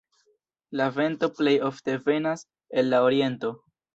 La vento plej ofte venas el la oriento.